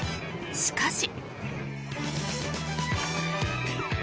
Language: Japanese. しかし。